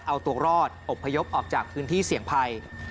เอาตัวรอดอบพยพออกจากพื้นที่เสี่ยงภัย